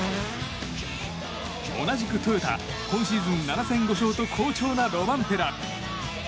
同じくトヨタ今シーズン７勝５勝と好調なロバンペラ。